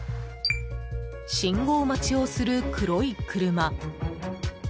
信号待ちをする黒い車。